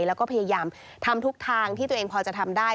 แล้วก็พยายามทำทุกทางที่ตัวเองพอจะทำได้